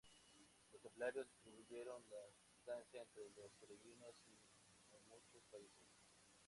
Los Templarios distribuyeron la sustancia entre los peregrinos y en muchos países.